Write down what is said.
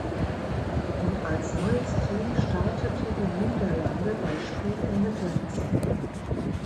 Und als neues Team startete die Niederlande bei Spiel ohne Grenzen.